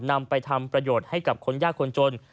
นำไปทำประโยชน์ให้กับคนยากคนจน